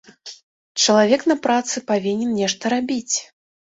Чалавек на працы павінен нешта рабіць.